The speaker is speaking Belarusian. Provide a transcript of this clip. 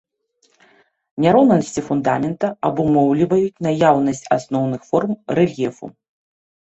Няроўнасці фундамента абумоўліваюць наяўнасць асноўных форм рэльефу.